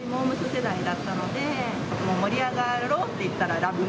世代だったので、盛り上がろうといったら、ＬＯＶＥ